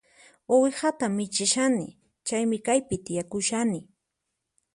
Uwihata michishani, chaymi kaypi tiyakushani